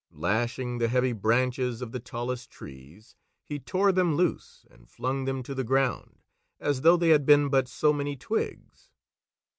Lashing the heavy branches of the tallest trees, he tore them loose and flung them to the ground as though they had been but so many twigs.